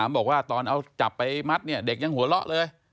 บอกว่าตอนเอาจับไปมัดเนี่ยเด็กยังหัวเราะเลย